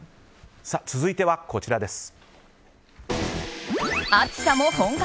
続いては、こちらです。